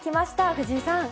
藤井さん。